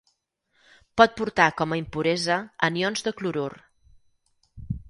Pot portar com a impuresa anions de clorur.